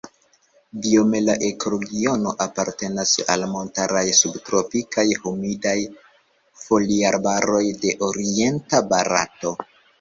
Biome la ekoregiono apartenas al montaraj subtropikaj humidaj foliarbaroj de orienta Barato.